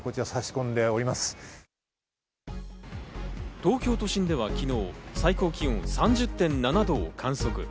東京都心では昨日、最高気温３０．７度を観測。